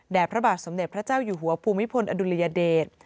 พระบาทสมเด็จพระเจ้าอยู่หัวภูมิพลอดุลยเดช